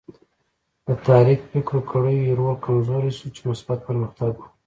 د تاریک فکرو کړیو رول کمزوری شو چې مثبت پرمختګ و.